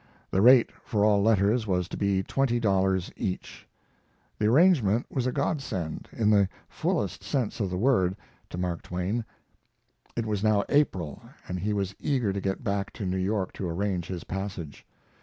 The rate for all letters was to be twenty dollars each. The arrangement was a godsend, in the fullest sense of the word, to Mark Twain. It was now April, and he was eager to get back to New York to arrange his passage.